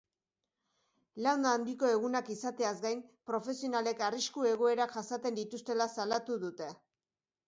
Lan handiko egunak izateaz gain, profesionalek arrisku-egoerak jasaten dituztela salatu dute.